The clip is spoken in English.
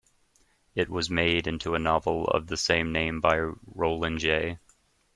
It was made into a novel of the same name by Roland J.